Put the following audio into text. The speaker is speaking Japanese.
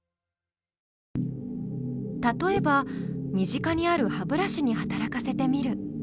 例えば身近にある歯ブラシに働かせてみる。